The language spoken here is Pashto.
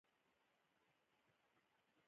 د کونړ په غازي اباد کې د کرومایټ نښې شته.